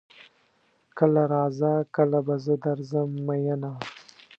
کله راځه کله به زه درځم ميينه